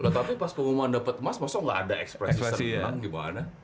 tapi pas pengumuman dapet mas masok nggak ada ekspresi sering menang gimana